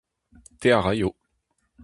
Te a raio.